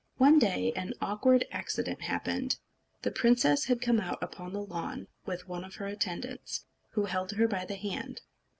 One day an awkward accident happened. The princess had come out upon the lawn with one of her attendants, who held her by the hand.